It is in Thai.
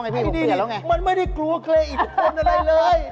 ดีดีมันไม่ได้กลัวว่าเกลี่ยอีกขึ้นอันไรเลย